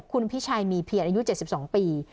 คุณพิชัยมีเพียรอายุ๗๒ปี